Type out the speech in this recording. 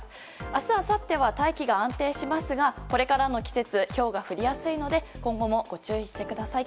明日、あさっては大気が安定しますがこれからの季節ひょうが降りやすいので今後もご注意してください。